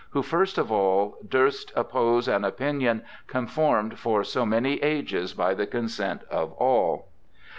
who first of all durst oppose an opinion conformed for so many ages by the consent of all.'